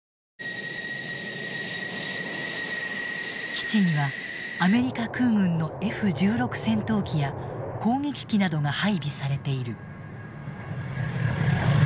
基地にはアメリカ空軍のＦ１６戦闘機や攻撃機などが配備されている。